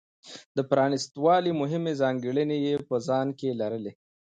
د پرانېست والي مهمې ځانګړنې یې په ځان کې لرلې.